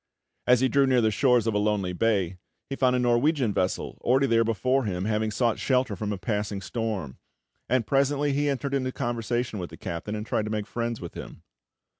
As he drew near to the shores of a lonely bay, he found a Norwegian vessel already there before him, having sought shelter from a passing storm, and presently he entered into conversation with the captain, and tried to make friends with him.